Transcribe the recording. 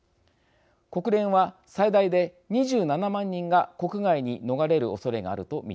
国連は最大で２７万人が国外に逃れるおそれがあると見ています。